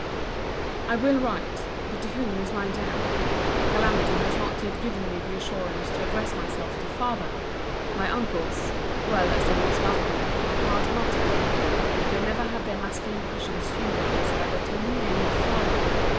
I will write. But to whom is my doubt. Calamity has not yet given me the assurance to address myself to my FATHER. My UNCLES (well as they once loved me) are hard hearted. They never had their masculine passions humanized by the tender name of FATHER.